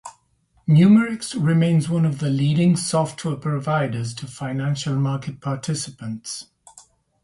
Numerix remains one of the leading software providers to financial market participants.